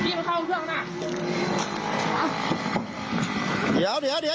ทีมเข้าเท่านั้นอย่าเดี๋ยวเดี๋ยวอย่าไปดึง